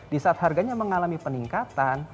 di saat harganya mengalami peningkatan